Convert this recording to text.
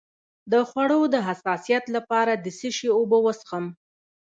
د خوړو د حساسیت لپاره د څه شي اوبه وڅښم؟